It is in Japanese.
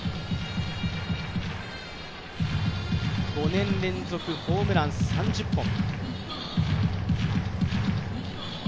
５年連続ホームラン、３０本。